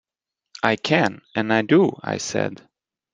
"I can, and I do," I said.